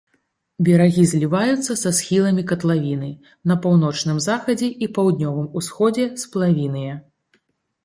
Берагі зліваюцца са схіламі катлавіны, на паўночным захадзе і паўднёвым усходзе сплавінныя.